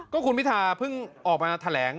ก็คุณพิธาเพิ่งออกมาแถลง